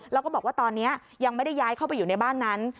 แล้วก็บอกว่าตอนนี้ยังไม่ได้ย้ายเข้าไปอยู่ในบ้านนั้น